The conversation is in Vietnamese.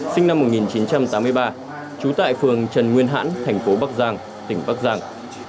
sinh năm một nghìn chín trăm tám mươi ba trú tại phường trần nguyên hãn thành phố bắc giang tỉnh bắc giang